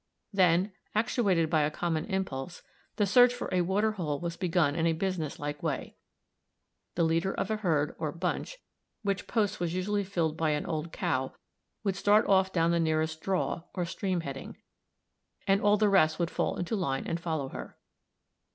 Then, actuated by a common impulse, the search for a water hole was begun in a business like way. The leader of a herd, or "bunch," which post was usually filled by an old cow, would start off down the nearest "draw," or stream heading, and all the rest would fall into line and follow her.